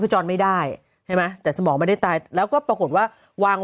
คือจรไม่ได้ใช่ไหมแต่สมองไม่ได้ตายแล้วก็ปรากฏว่าวาง